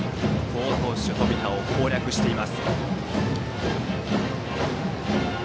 好投手、冨田を攻略しています。